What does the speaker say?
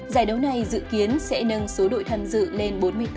giải đấu này dự kiến sẽ nâng số đội tham dự lên bốn mươi tám